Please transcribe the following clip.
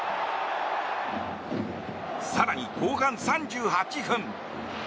更に、後半３８分。